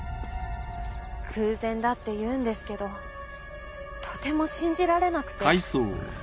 偶然だって言うんですけどとても信じられなくて。